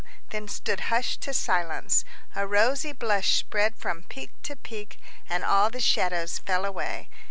then stood hushed to silence. A rosy blush spread from peak to peak, and all the shadows fell away.